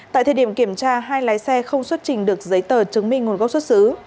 tại thời điểm kiểm tra hai lái xe không xuất trình được giấy tờ chứng minh nguồn gốc xuất xứ